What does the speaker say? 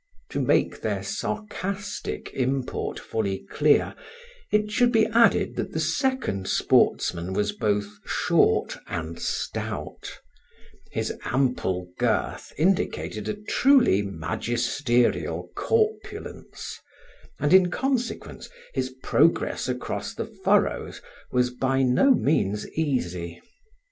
To make their sarcastic import fully clear, it should be added that the second sportsman was both short and stout; his ample girth indicated a truly magisterial corpulence, and in consequence his progress across the furrows was by no means easy.